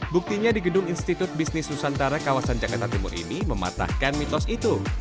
buktinya di gedung institut bisnis nusantara kawasan jakarta timur ini mematahkan mitos itu